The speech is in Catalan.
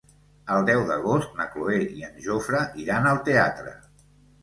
El deu d'agost na Cloè i en Jofre iran al teatre.